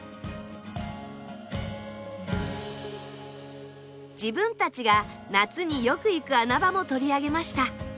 自分たちが夏によく行く穴場も取り上げました。